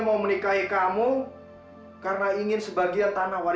sampai jumpa di video selanjutnya